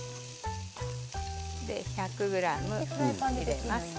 １００ｇ入れます。